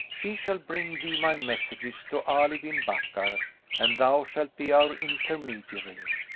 She shall bring thee my messages to Ali bin Bakkar and thou shalt be our intermediary."